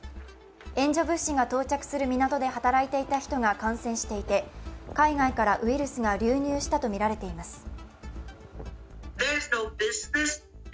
援助物資が到着する港で働いていた人が感染していて、海外からウイルスが流入したとみられています。